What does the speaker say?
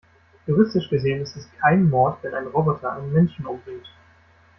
Juristisch gesehen ist es kein Mord, wenn ein Roboter einen Menschen umbringt.